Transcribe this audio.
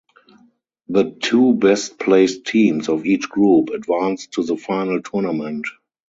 The two best placed teams of each group advanced to the final tournament.